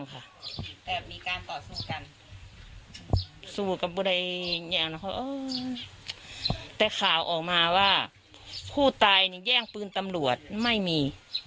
การต่อสู้กันสู้กับบุรีแต่ข่าวออกมาว่าผู้ตายเนี่ยแย่งปืนตำรวจไม่มี